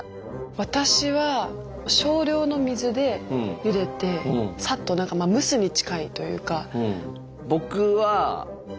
私は少量の水でゆでてさっと蒸すに近いというか。